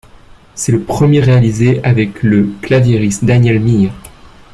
C'est le premier réalisé avec le claviériste Daniel Mÿhr.